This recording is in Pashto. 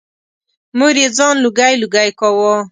مور یې ځان لوګی لوګی کاوه.